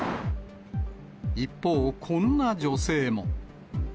一方、こんな女性も。